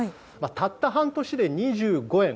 たった半年で２５円。